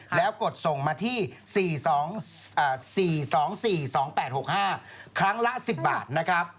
แล้วกดส่งมาที่๔๒๔๒๘๖๕ครั้งละ๑๐บาทนะครับ